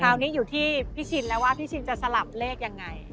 คราวนี้อยู่ที่พี่ชินแล้วว่าพี่ชินจะสลับเลขอย่างไร